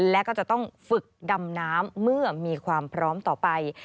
และก็จะต้องฝึกดำน้ำเมื่อมีความพร้อมต่อไป